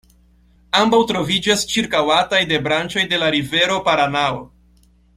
Ambaŭ troviĝas ĉirkaŭataj de branĉoj de la rivero Paranao.